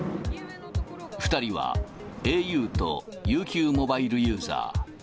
２人はａｕと、ＵＱモバイルユーザー。